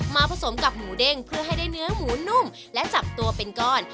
ผสมกับหมูเด้งเพื่อให้ได้เนื้อหมูนุ่มและจับตัวเป็นก้อน